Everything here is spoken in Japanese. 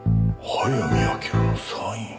早見明のサイン。